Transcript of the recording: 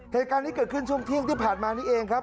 เหตุการณ์นี้เกิดขึ้นช่วงเที่ยงที่ผ่านมานี้เองครับ